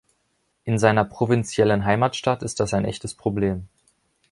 In seiner provinziellen Heimatstadt ist das ein echtes Problem.